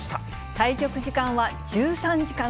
対局時間は１３時間。